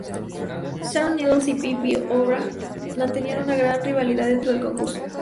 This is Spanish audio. Sharon Needles y Phi Phi O'Hara mantenían una gran rivalidad dentro del concurso.